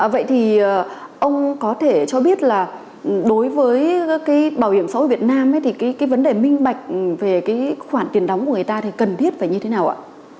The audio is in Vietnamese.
vậy thì ông có thể cho biết là đối với cái bảo hiểm xã hội việt nam thì cái vấn đề minh bạch về cái khoản tiền đóng của người ta thì cần thiết phải như thế nào ạ